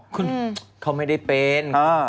คุณเขาไม่ได้เป็น